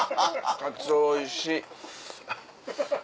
カツオおいしい。